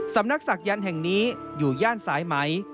สำนักศักยันต์แห่งนี้อยู่ย่านสายไหม